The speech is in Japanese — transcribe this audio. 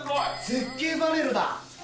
絶景バレルだ。